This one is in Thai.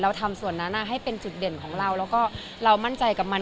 ทำส่วนนั้นให้เป็นจุดเด่นของเราแล้วก็เรามั่นใจกับมัน